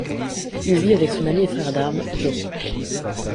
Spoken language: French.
Il vit avec son ami et frère d'arme, Jo.